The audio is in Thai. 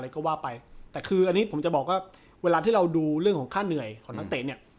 ก็ว่าไปแต่คืออันนี้ผมจะบอกว่าเวลาที่เราดูเรื่องของค่าเหนื่อยของนักเตะเนี่ย